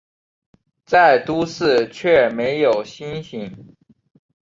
在都市却没有星星